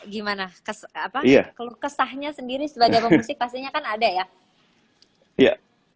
kalau kesahnya sendiri sebagai pemusik